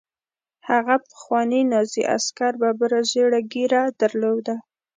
هغه پخواني نازي عسکر ببره زیړه ږیره درلوده